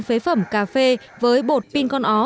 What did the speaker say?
phế phẩm cà phê với bột pin con ó